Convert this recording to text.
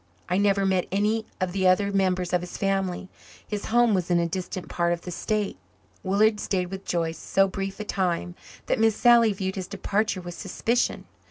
I never met any of the other members of his family his home was in a distant part of the state." Willard stayed with Joyce so brief a time that Miss Sally viewed his departure with suspicion.